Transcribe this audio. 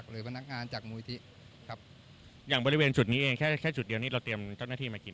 เราเตรียมเจ้าหน้าที่มากี่นายครับ